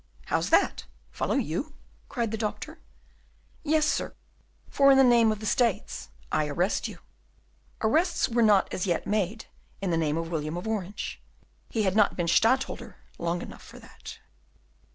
"How's that! follow you?" cried the Doctor. "Yes, sir, for in the name of the States I arrest you." Arrests were not as yet made in the name of William of Orange; he had not been Stadtholder long enough for that.